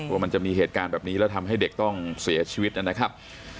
ว่ามันจะมีเหตุการณ์แบบนี้แล้วทำให้เด็กต้องเสียชีวิตนะครับ